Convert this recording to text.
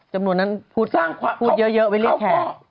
หมายถึงตอนแรกนี้เนี๊ยนแล้ว